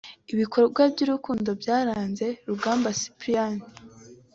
Ibikorwa by’urukundo byaranze Rugamba Cyprien